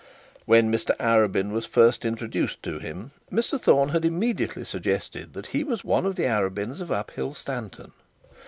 When Mr Arabin was first introduced to him, Mr Thorne had immediately suggested that he was one of the Arabins of Uphill Stanton.